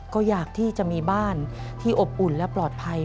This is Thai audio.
ก็อยากที่จะมีบ้านที่อบอุ่นและปลอดภัย